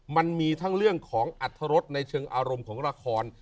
มันมีทั้งเรื่องของอัตรรสในเชิงอารมณ์ของละคร